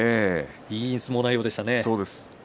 いい相撲内容でしたね。